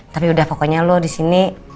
tapi udah pokoknya lu di sini